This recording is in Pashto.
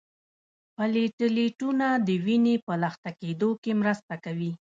پلیټلیټونه د وینې په لخته کیدو کې مرسته کوي